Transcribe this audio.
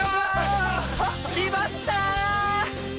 きまった！